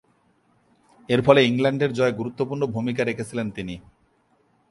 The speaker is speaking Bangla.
এরফলে ইংল্যান্ডের জয়ে গুরুত্বপূর্ণ ভূমিকা রেখেছিলেন তিনি।